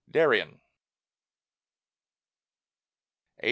DARIEN A.